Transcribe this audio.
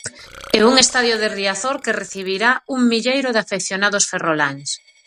E un estadio de Riazor que recibirá un milleiro de afeccionados ferroláns.